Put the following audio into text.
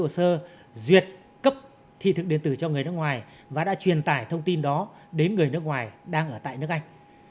chúng tôi đã xử lý ổ sơ duyệt cấp thị thực điện tử cho người nước ngoài và đã truyền tải thông tin đó đến người nước ngoài đang ở tại nước anh